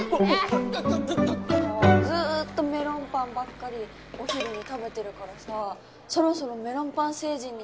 ずっとメロンパンばっかりお昼に食べてるからさそろそろメロンパン星人になるんじゃ。